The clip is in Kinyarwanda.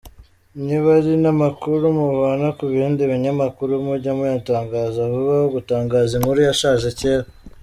Niba ari namakuru muvana kubindi binyakuru mujye muyatangaza vuba aho gutangaza inkuru yashaje kera.